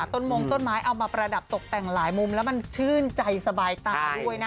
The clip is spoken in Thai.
มงต้นไม้เอามาประดับตกแต่งหลายมุมแล้วมันชื่นใจสบายตาด้วยนะ